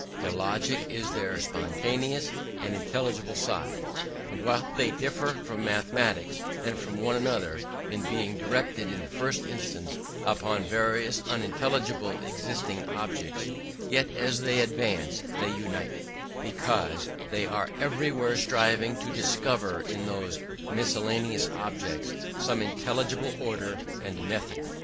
Their logic is their spontaneous and intelligible side: and while they differ from mathematics and from one another in being directed in the first instance upon various unintelligible existing objects, yet as they advance, they unite: because they are everywhere striving to discover in those miscellaneous objects some intelligible order and method.